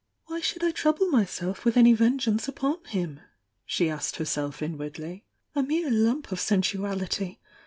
"Why should I trouble myself with any vengeance upon him?" she asked herself inwardly. "A mere lump of sensuality!